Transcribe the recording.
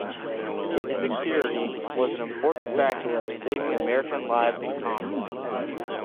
Its security was an important factor in saving American lives in combat.